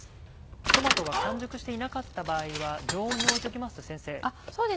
トマトが完熟していなかった場合は常温に置いときますと先生。